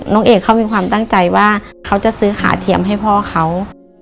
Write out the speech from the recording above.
น้องเอกเขามีความตั้งใจว่าเขาจะซื้อขาเทียมให้พ่อเขา